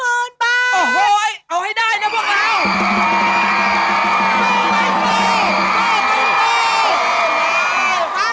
โอ้โหเอาให้ได้นะพวกเรา